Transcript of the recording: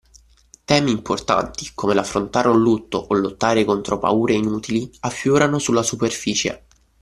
Temi importanti, come l’affrontare un lutto o lottare contro paure inutili, affiorano sulla superficie